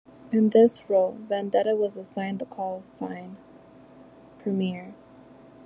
In this role, "Vendetta" was assigned the callsign "Premier".